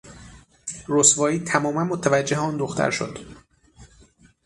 رسوایی تماما متوجه آن دختر شد.